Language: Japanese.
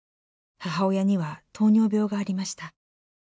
母親には糖尿病がありました。